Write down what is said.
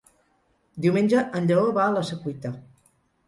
Diumenge en Lleó va a la Secuita.